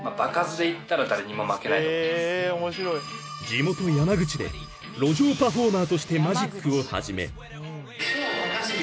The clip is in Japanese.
『ＴＨＥＭＡＧＩＣ』［地元山口で路上パフォーマーとしてマジックを始め］